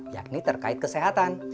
yakni terkait kesehatan